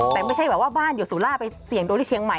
แต่ไม่ใช่แบบว่าบ้านอยู่สุล่าไปเสี่ยงโดนที่เชียงใหม่